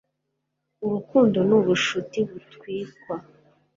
urukundo ni ubucuti butwikwa